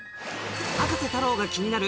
葉加瀬太郎が気になる